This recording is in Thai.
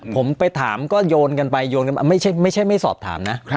ผมไปถามก็โยนกันไปไม่ใช่ไม่สอบถามนะ